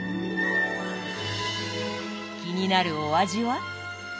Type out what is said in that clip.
気になるお味は？